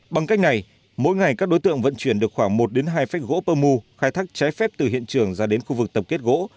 bằng cách này mỗi ngày các đối tượng vận chuyển được khoảng một hai phách gỗ pơ mu khai thác trái phép từ hiện trường ra đến khu vực tập kết gỗ